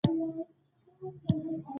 ستا په صبر کي بڅری د پېغور دی